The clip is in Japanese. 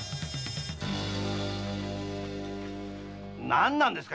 何なんですか